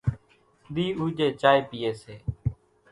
ۮِي اُوڄي چائي پيئي سي،